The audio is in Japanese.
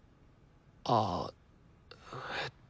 ああえっと。